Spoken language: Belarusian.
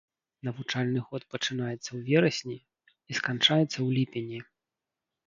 Навучальны год пачынаецца ў верасні і сканчаецца ў ліпені.